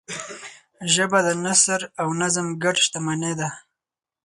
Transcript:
ژبه د نثر او نظم ګډ شتمنۍ ده